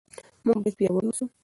موږ باید پیاوړي اوسو.